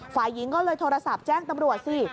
ฝ่ายหญิงก็เลยโทรศัพท์แจ้งตำรวจสิ